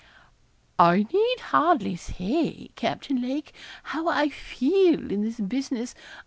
'I need hardly say, Captain Lake, how I feel in this business.